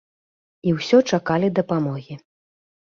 І ўсё чакалі дапамогі.